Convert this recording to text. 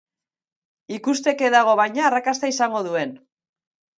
Ikusteke dago, baina, arrakasta izango duen.